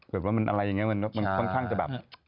เผื่อว่าอะไรอย่างนี้มันค่อนข้างจะแบบ